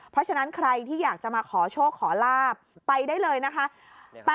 เพราะฉะนั้นใครที่อยากจะมาขอโชคขอลาบไปได้เลยนะคะ